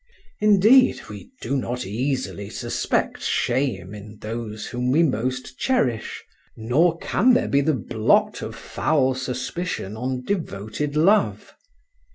Indeed we do not easily suspect shame in those whom we most cherish, nor can there be the blot of foul suspicion on devoted love.